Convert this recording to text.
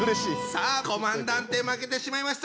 さあコマンダンテ負けてしまいました。